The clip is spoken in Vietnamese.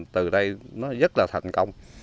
từ đây nó rất là thành công